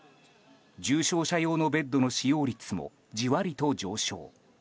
重症者用のベッドの使用率もじわりと上昇。